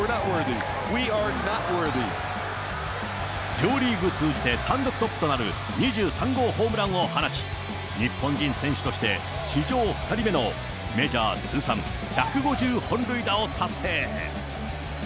両リーグ通じて単独トップとなる２３号ホームランを放ち、日本人選手として、史上２人目のメジャー通算１５０本塁打を達成。